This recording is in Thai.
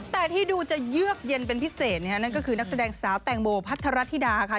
แต่ที่ดูจะเยือกเย็นเป็นพิเศษนั่นก็คือนักแสดงสาวแตงโมพัทรธิดาค่ะ